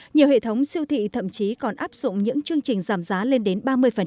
nhiều hệ thống siêu thị thậm chí còn áp dụng những chương trình giảm giá lên đến ba mươi